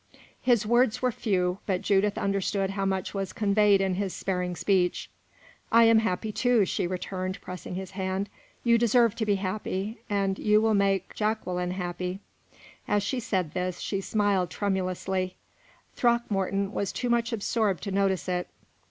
His words were few, but Judith understood how much was conveyed in his sparing speech. "I am happy, too," she returned, pressing his hand. "You deserve to be happy, and you will make Jacqueline happy." As she said this, she smiled tremulously. Throckmorton was too much absorbed to notice it.